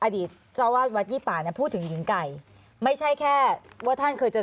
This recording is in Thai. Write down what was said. อดีตเจ้าวาดวัดยี่ป่าเนี่ยพูดถึงหญิงไก่ไม่ใช่แค่ว่าท่านเคยเจอ